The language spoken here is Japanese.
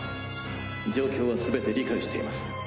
状況はすべて理解しています。